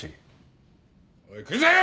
おいクズ！